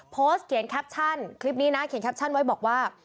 โพสต์เขียนแคปชั่นคลิปนี้นะเขียนแคปชั่นไว้บอกว่า